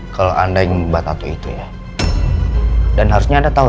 williams sudah ambil satu tisu di keadaanang tayangan dua ribu tujuh